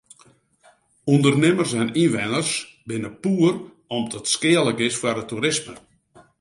Undernimmers en ynwenners binne poer om't it skealik is foar it toerisme.